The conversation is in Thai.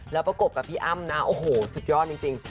แล้วประกบกับพี่อ้ำนะโอ้โหสุดยอดจริง